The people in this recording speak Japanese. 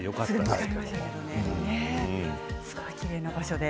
すごいきれいな場所で。